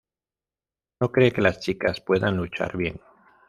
No cree que las chicas puedan luchar bien.